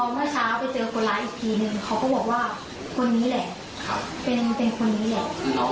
แล้วน้องมีอาการหวาดกลัวไหมครับ